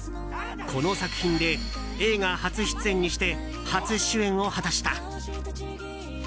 この作品で映画初出演にして初主演を果たした。